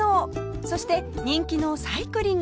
そして人気のサイクリングも